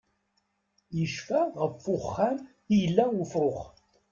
Icfa ɣef uxxam i yella ufrux.